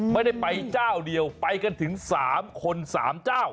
ไม่ได้ไปเจ้าเดียวไปกันถึง๓คน๓เจ้า